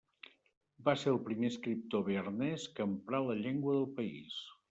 Va ser el primer escriptor bearnès que emprà la llengua del país.